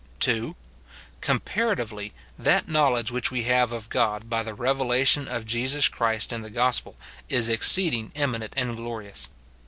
[2.] Qomimratively^ that knowledge which we have of God by the revelation of Jesus Christ in the gospel is exceeding eminent and glorious.